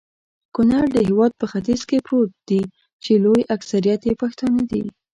کونړ د هيواد په ختیځ کي پروت دي.چي لوي اکثريت يي پښتانه دي